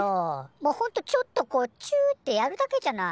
もうほんとちょっとこうチューってやるだけじゃない。